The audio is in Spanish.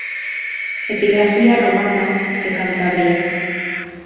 Epigrafía Romana de Cantabria.